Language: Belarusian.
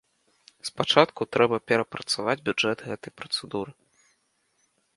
Спачатку трэба прапрацаваць бюджэт гэтай працэдуры.